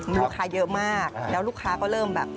ลูกค้าเยอะมากแล้วลูกค้าก็เริ่มแบบ